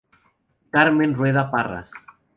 Carmen Rueda Parras.